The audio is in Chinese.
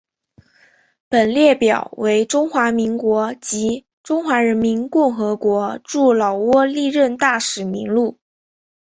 本列表为中华民国及中华人民共和国驻老挝历任大使名录。